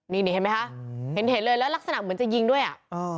นี่นี่เห็นไหมคะอืมเห็นเห็นเลยแล้วลักษณะเหมือนจะยิงด้วยอ่ะอ้อ